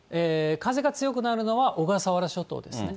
風が強くなるのは、小笠原諸島ですね。